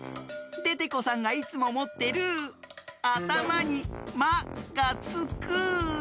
デテコさんがいつももってるあたまに「マ」がつく。